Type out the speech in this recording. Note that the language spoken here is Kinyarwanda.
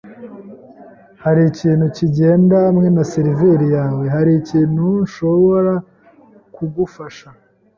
Hari ikintu kigenda hamwe na seriveri yawe? Hari ikintu nshobora kugufasha?